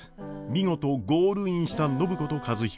見事ゴールインした暢子と和彦。